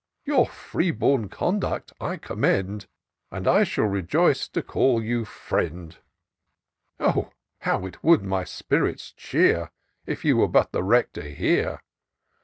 Your free bom conduct I commend, And shall rejoice to call you friend : Oh ! how it would my spirits cheer K you were but the Rector here